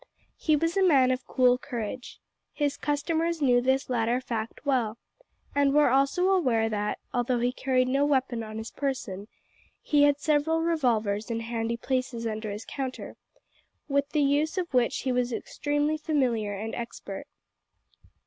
He was a man of cool courage. His customers knew this latter fact well, and were also aware that, although he carried no weapon on his person, he had several revolvers in handy places under his counter, with the use of which he was extremely familiar and expert.